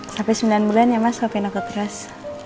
sampai sembilan bulan ya mas ngapain aku terus